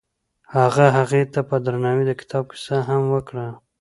هغه هغې ته په درناوي د کتاب کیسه هم وکړه.